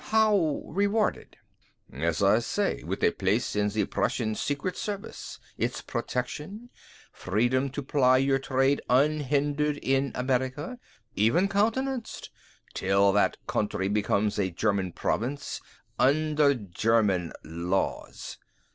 "How rewarded?" "As I say, with a place in the Prussian Secret Service, its protection, freedom to ply your trade unhindered in America, even countenanced, till that country becomes a German province under German laws."